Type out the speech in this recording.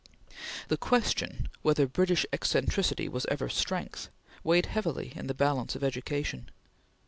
The question whether British eccentricity was ever strength weighed heavily in the balance of education.